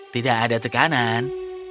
tidak ada tekanan